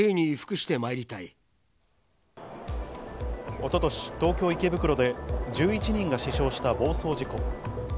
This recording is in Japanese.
一昨年、東京・池袋で１１人が死傷した暴走事故。